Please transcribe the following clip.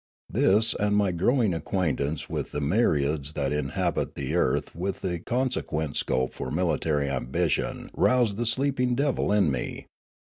This and my growing acquaintance with the myriads that inhabit the earth and with the consequent scope for military ambition roused the sleeping devil in me.